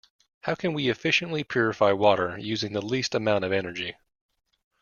How can we efficiently purify water using the least amount of energy?